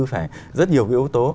phải rất nhiều cái ưu tố